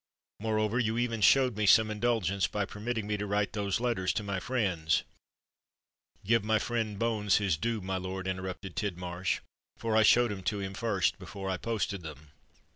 Moreover, you even showed me some indulgence, by permitting me to write those letters to my friends——" "Give my friend Bones his due, my lord," interrupted Tidmarsh; "for I showed 'em to him first before I posted them."